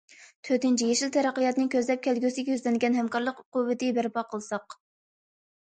تۆتىنچى، يېشىل تەرەققىياتنى كۆزلەپ، كەلگۈسىگە يۈزلەنگەن ھەمكارلىق قۇۋۋىتى بەرپا قىلساق.